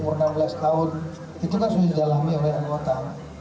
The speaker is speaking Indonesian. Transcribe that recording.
seperti anak kecil yang umur enam belas tahun itu kan sudah didalami oleh anggota